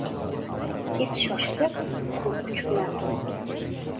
• It shoshilib, ko‘r kuchuklar tug‘di.